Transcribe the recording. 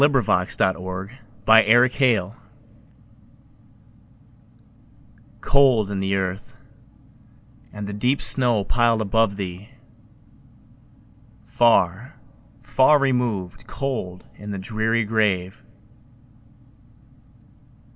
Emily Brontë Remembrance COLD in the earth, and the deep snow piled above thee! Far, far removed, cold in the dreary grave!